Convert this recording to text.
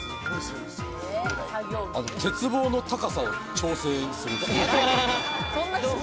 鉄棒の高さを調整する人。